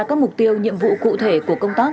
các mục tiêu nhiệm vụ cụ thể của công tác